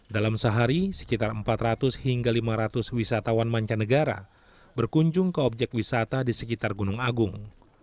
dalam sehari sekitar empat ratus hingga lima ratus wisatawan mancanegara berkunjung ke objek wisata di sekitar gunung agung